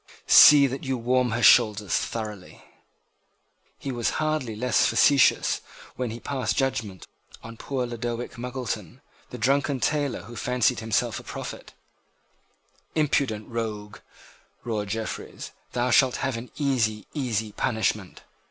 See that you warm her shoulders thoroughly!" He was hardly less facetious when he passed judgment on poor Lodowick Muggleton, the drunken tailor who fancied himself a prophet. "Impudent rogue!" roared Jeffreys, "thou shalt have an easy, easy, easy punishment!"